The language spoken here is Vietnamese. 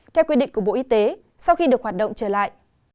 theo quy định của bộ y tế sau khi được hoạt động trở lại